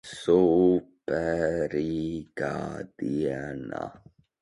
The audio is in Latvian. Superīga diena!